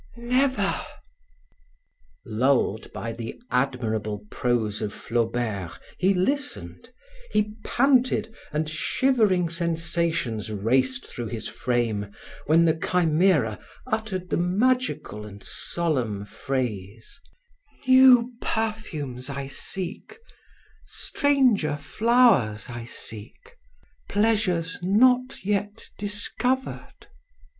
"Never!" Lulled by the admirable prose of Flaubert, he listened; he panted and shivering sensations raced through his frame, when the Chimera uttered the magical and solemn phrase: "New perfumes I seek, stranger flowers I seek, pleasures not yet discovered."